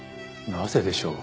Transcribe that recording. なぜでしょう？